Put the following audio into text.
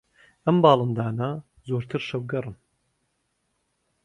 ئەم باڵندانە زۆرتر شەوگەڕن